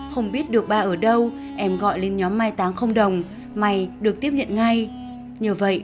không biết được bà ở đâu em gọi lên nhóm mai táng không đồng may được tiếp nhận ngay nhờ vậy